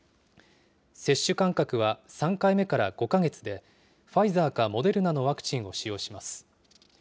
接種間隔は３回目から５か月で、ファイザーかモデルナのワクチンを使用します。